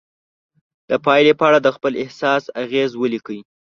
د پایلې په اړه د خپل احساس اغیز ولیکئ.